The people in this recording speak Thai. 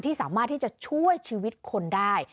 สามารถที่จะช่วยชีวิตคนได้